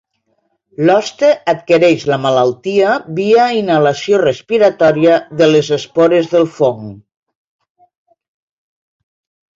L'hoste adquireix la malaltia via inhalació respiratòria de les espores del fong.